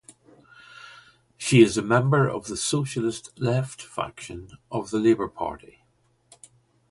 She is a member of the Socialist Left faction of the Labor Party.